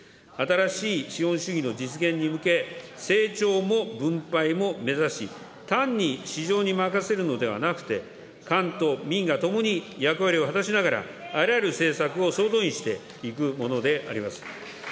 新しい資本主義の実現に向け、成長も分配も目指し、単に市場に任せるのではなくて、官と民が共に役割を果たしながら、あらゆる政策を総動員していくものであります。